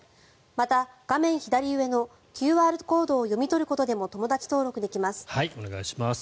また、画面左上のＱＲコードを読み取ることでも友だち登録できます。